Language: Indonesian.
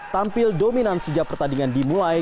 tampil dominan sejak pertandingan dimulai